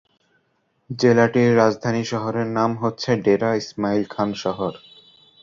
জেলাটির রাজধানী শহরের নাম হচ্ছে ডেরা ইসমাইল খান শহর।